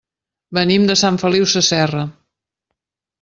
Venim de Sant Feliu Sasserra.